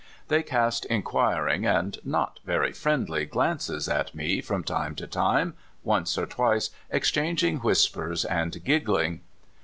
They cast inquiring and not very friendly glances at me from time to time, once or twice exchanging whis pers and giggling.